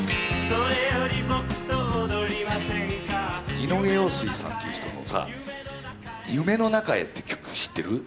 井上陽水さんっていう人のさ「夢の中へ」って曲知ってる？